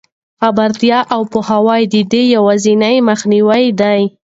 خبرتیا او پوهاوی د دې یوازینۍ مخنیوی دی.